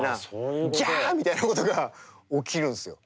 ギャみたいなことが起きるんですよ